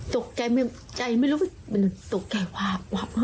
ตกใจใจไม่รู้ตกใจว่า